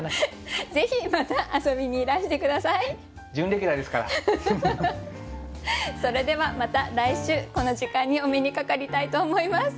それではまた来週この時間にお目にかかりたいと思います。